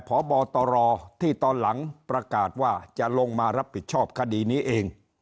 พบตรที่ตอนหลังประกาศว่าจะลงมารับผิดชอบคดีนี้เอง